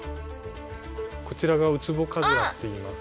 こちらがウツボカズラっていいます。